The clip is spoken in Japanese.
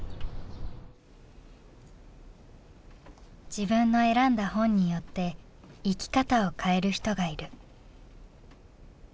自分の選んだ本によって生き方を変える人がいる。